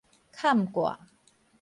崁蓋